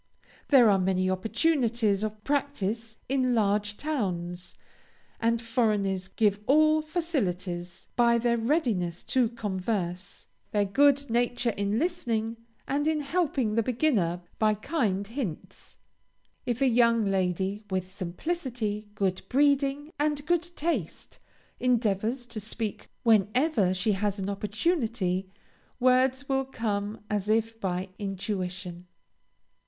There are many opportunities of practice in large towns; and foreigners give all facilities, by their readiness to converse, their good nature in listening, and in helping the beginner by kind hints. If a young lady, with simplicity, good breeding, and good taste, endeavors to speak whenever she has an opportunity, words will come as if by intuition.